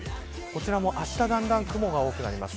こちらも、あしただんだんん雲が多くなります。